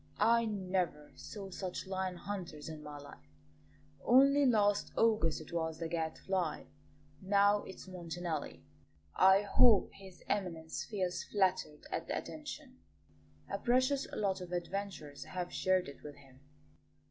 I never saw such lion hunters in my life. Only last August it was the Gadfly; now it's Montanelli. I hope His Eminence feels flattered at the attention; a precious lot of adventurers have shared it with him."